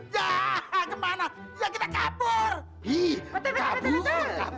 ya kita kabur